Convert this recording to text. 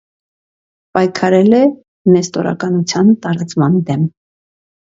Պայքարել է նեստորականության տարածման դեմ։